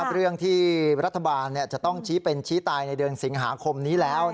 เรื่องที่รัฐบาลจะต้องชี้เป็นชี้ตายในเดือนสิงหาคมนี้แล้ว